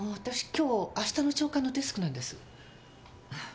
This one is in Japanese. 今日明日の朝刊のデスクなんです。